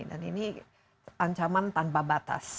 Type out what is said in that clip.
dan ini ancaman tanpa batas